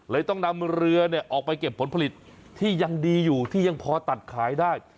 ต้องนำเรือออกไปเก็บผลผลิตที่ยังดีอยู่ที่ยังพอตัดขายได้